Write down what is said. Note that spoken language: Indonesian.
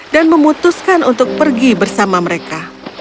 dan memutuskan untuk pergi bersama mereka